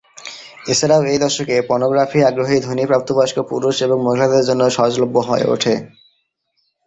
এছাড়াও এই দশকে, পর্নোগ্রাফি আগ্রহী ধনী প্রাপ্তবয়স্ক পুরুষ এবং মহিলাদের জন্য সহজলভ্য হয়ে ওঠে।